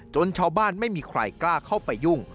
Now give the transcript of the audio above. ชาวบ้านไม่มีใครกล้าเข้าไปยุ่ง